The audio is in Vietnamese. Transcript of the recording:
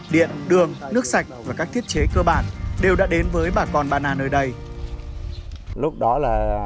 điện đường nước sạch và các thiết chế cơ bản đều đã đến với bà con ba na nơi đây